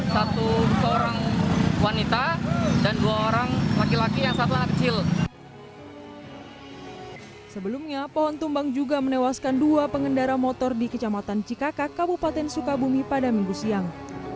sebelumnya pohon tumbang juga menewaskan dua pengendara motor di kecamatan cikakak kabupaten sukabumi pada minggu siang